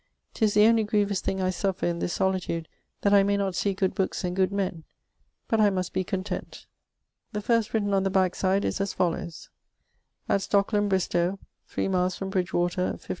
'Tis the onely grievous thing I suffer in this solitude that I may not see good bookes and good men, but I must be content. The first thing written on the back side is as followes: At Stockeland, Bristowe, iiii myles from Brigewater, 1566.